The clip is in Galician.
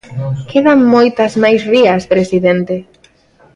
Quedan moitas máis rías, presidente.